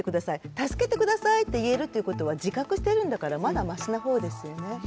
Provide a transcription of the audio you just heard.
助けてくださいって言えるっていうことは自覚してるんだからまだマシな方ですよね。